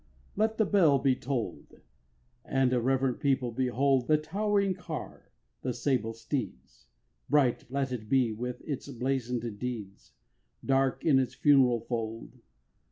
Let the bell be toll'd: And a reverent people behold The towering car, the sable steeds: Bright let it be with its blazon'd deeds, Dark in its funeral fold.